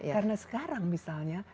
karena sekarang misalnya